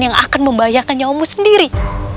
yang akan membahayakan nyawamu sendiri